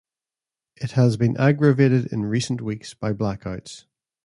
It has been aggravated in recent weeks by blackouts.